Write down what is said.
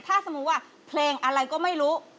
ถ้าสมมุติว่าเพลงอะไรก็ไม่รู้